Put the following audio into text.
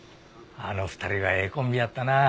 あの２人はええコンビやったな。